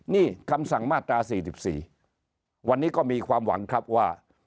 นี่คำสั่งมาตรา๔๔วันนี้ก็มีความหวังครับว่า